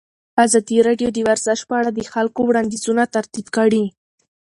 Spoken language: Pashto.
ازادي راډیو د ورزش په اړه د خلکو وړاندیزونه ترتیب کړي.